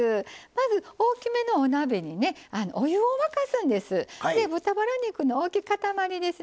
まず、大きめのお鍋にお湯を沸かすんです。